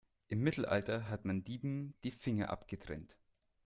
Im Mittelalter hat man Dieben die Finger abgetrennt.